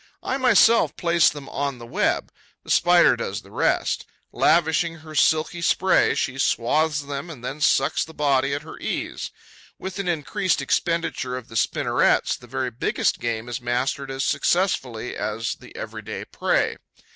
I myself place them on the web. The Spider does the rest. Lavishing her silky spray, she swathes them and then sucks the body at her ease. With an increased expenditure of the spinnerets, the very biggest game is mastered as successfully as the everyday prey.